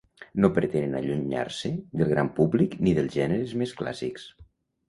No pretenen allunyar-se del gran públic ni dels gèneres més clàssics.